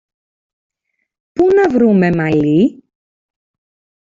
Πού να βρούμε μαλλί;